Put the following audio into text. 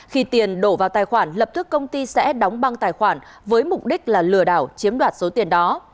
khi tiền đổ vào tài khoản lập tức công ty sẽ đóng băng tài khoản với mục đích là lừa đảo chiếm đoạt số tiền đó